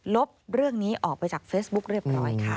ลบเรื่องนี้ออกไปจากเฟซบุ๊คเรียบร้อยค่ะ